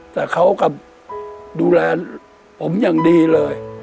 แต่เขากับดูแลผมอย่างดีเลย